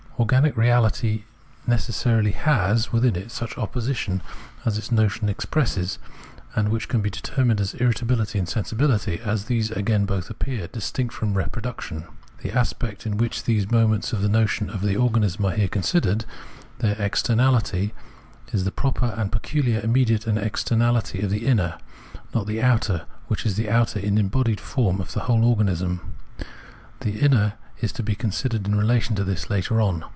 Organic reahty necessarily has within it such an opposition as its notion expresses, and which can be determined as irritabihty and sensibihty, as these again both appear distinct from reproduction. The aspect in which the moments of the notion of organism are here considered, their Externahty, is the proper and pecuhar immediate externahty of the inner ; not the outer which is the outer embodied form of the whole organism ; the inner is to be considered in relation to this later on.